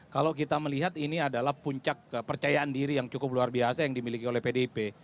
kalau kita melihat ini adalah puncak kepercayaan diri yang cukup luar biasa yang dimiliki oleh pdip